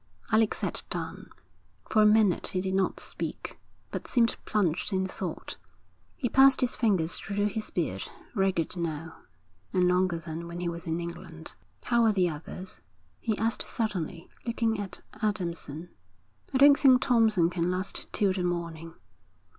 Alec sat down. For a minute he did not speak, but seemed plunged in thought. He passed his fingers through his beard, ragged now and longer than when he was in England. 'How are the others?' he asked suddenly, looking at Adamson. 'I don't think Thompson can last till the morning.'